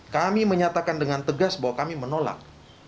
kami menyatakan dengan tegas bahwa kami menolak